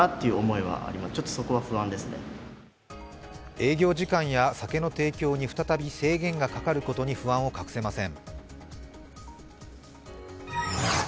営業時間や酒の提供に再び制限がかかることに不安を隠せません。